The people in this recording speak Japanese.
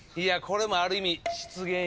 これもある意味。